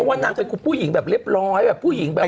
อย่างนักจัดกลุ่มผู้หญิงแบบเล็บร้อยแบบผู้หญิงแบบเมื่อ